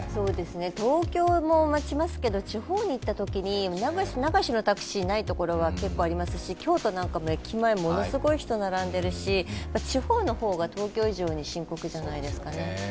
東京も待ちますけど地方に行ったときに流しのタクシーがないとき結構ありますし、京都なんかも駅前ものすごいタクシー並んでるし地方の方が東京以上に深刻じゃないですかね。